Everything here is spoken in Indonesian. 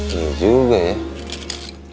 iya juga ya